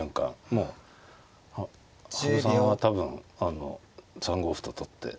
もう羽生さんは多分３五歩と取って。